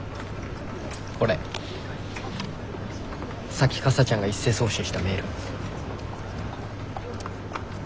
さっきかさちゃんが一斉送信したメール。